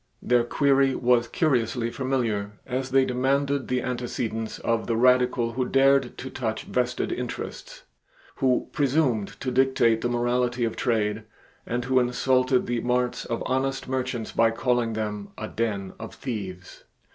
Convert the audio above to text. Their query was curiously familiar, as they demanded the antecedents of the Radical who dared to touch vested interests, who presumed to dictate the morality of trade, and who insulted the marts of honest merchants by calling them "a den of thieves."